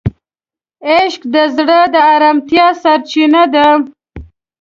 عشق د زړه د آرامتیا سرچینه ده.